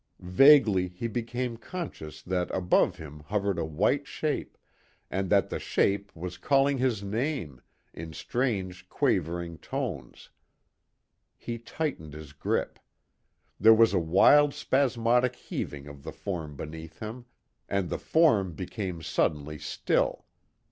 Vaguely he became conscious that above him hovered a white shape, and that the shape was calling his name, in strange quavering tones. He tightened his grip. There was a wild spasmodic heaving of the form beneath him and the form became suddenly still.